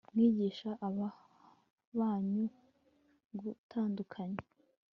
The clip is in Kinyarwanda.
mwigisha abana banyu gutandukanya